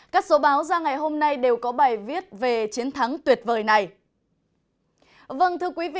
các số báo ra ngày hôm nay đều có bài viết về chiến thắng tuyệt vời này